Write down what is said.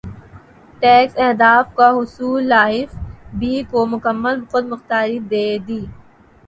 tax اہداف کا حصولایف بی کو مکمل خود مختاری دے دی